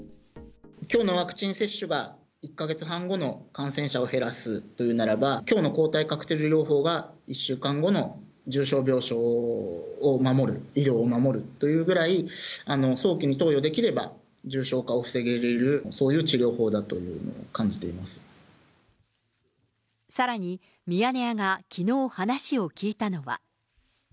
きょうのワクチン接種が１か月半後の感染者を減らすというならば、きょうの抗体カクテル療法が１週間後の重症病床を守る、医療を守るというくらい、早期の投与ができれば重症化を防げれる、そういう治療法だと感じさらに、ミヤネ屋がきのう、話を聞いたのは。